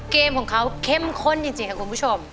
เกมของเขาเข้มข้นจริงค่ะคุณผู้ชม